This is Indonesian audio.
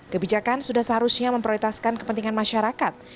kebijakan sudah seharusnya memprioritaskan kepentingan masyarakat